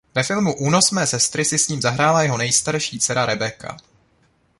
Ve filmu "Únos mé sestry" si s ním zahrála jeho nejstarší dcera Rebecca.